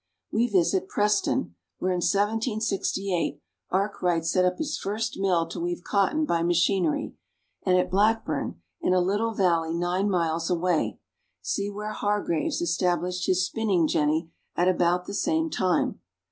We visit Preston, where in 1768 Arkwright set up his first mill to weave cotton by machinery, and at Blackburn, in a little valley nine miles away, see where Hargraves established his " spinning jenny " at about the same time.